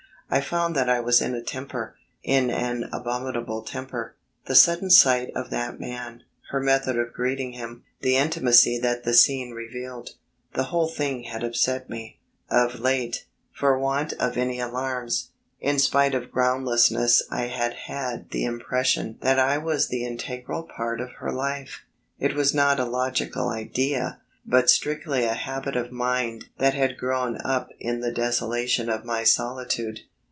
I found that I was in a temper in an abominable temper. The sudden sight of that man, her method of greeting him, the intimacy that the scene revealed ... the whole thing had upset me. Of late, for want of any alarms, in spite of groundlessness I had had the impression that I was the integral part of her life. It was not a logical idea, but strictly a habit of mind that had grown up in the desolation of my solitude.